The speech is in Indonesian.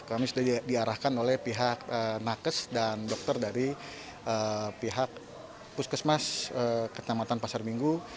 kami sudah diarahkan oleh pihak nakes dan dokter dari pihak puskesmas kecamatan pasar minggu